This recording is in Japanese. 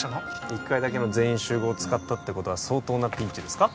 一回だけの全員集合使ったってことは相当なピンチですか？